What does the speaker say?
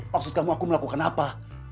maksud kamu aku melakukan apa